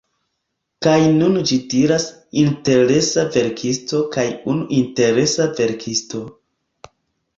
Kaj nun ĝi diras "interesa verkisto" kaj "unu interesa verkisto"